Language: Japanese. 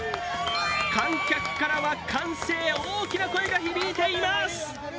観客からは歓声、大きな声が響いています。